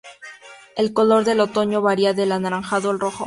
El color del otoño varia del anaranjado al rojo.